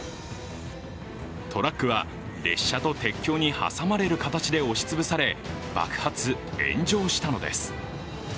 トラックは、列車と鉄橋に挟まれる形で押しつぶされ、爆発・炎上したのです。